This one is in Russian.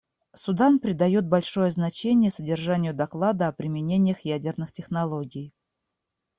Судан придает большое значение содержанию доклада о применениях ядерных технологий.